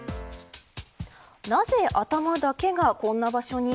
なぜ頭だけがこんな場所に。